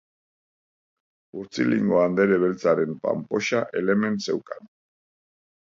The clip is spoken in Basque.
Huitzilingo andere beltzaran panpoxa elemen zeukan.